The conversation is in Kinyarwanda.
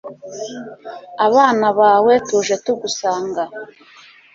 abana bawe tuje tugusanga